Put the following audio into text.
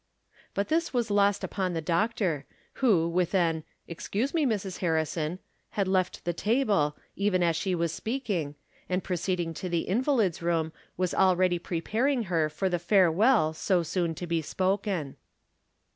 But this was lost upon the doctor, who, with an " Excuse me, Mrs. Harrison," had left the ta ble, even as she was speaking, and proceeding to the invalid's room was already preparing her for the farewell so soon to be spoken.